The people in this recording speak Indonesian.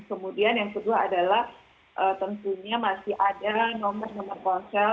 kemudian yang kedua adalah tentunya masih ada nomor nomor ponsel